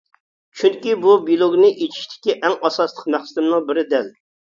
چۈنكى، بۇ بىلوگنى ئېچىشتىكى ئەڭ ئاساسلىق مەقسىتىمنىڭ بىرى دەل.